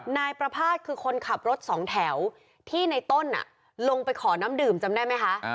นายประภาษณ์คือคนขับรถสองแถวที่ในต้นลงไปขอน้ำดื่มจำได้ไหมคะ